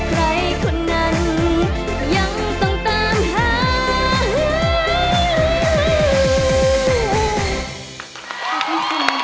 ใครคนนั้นยังต้องตามหา